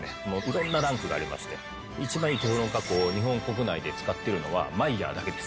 色んなランクがありまして一番いいテフロン加工を日本国内で使っているのはマイヤーだけです。